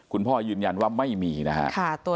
คุณพ่อยืนยันว่าไม่มีนะครับ